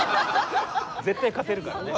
絶対勝てるからね。